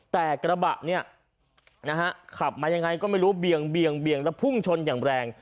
แต่กระบะเนี่ยนะฮะขับมายังไงก็ไม่รู้เบียงแล้วพุ่งชนอย่างแรง